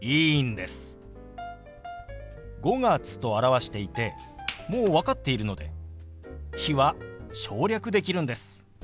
「５月」と表していてもう分かっているので「日」は省略できるんです。